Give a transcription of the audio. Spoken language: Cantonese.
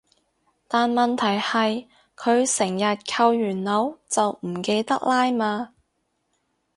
但問題係佢成日扣完鈕就唔記得拉嘛